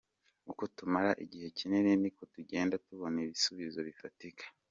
Uko tumara igihe kinini niko tugenda tubona ibisubizo bifatika.